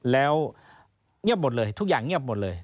แล้วเงียบหมดเลยทุกอย่างเงียบหมดเลย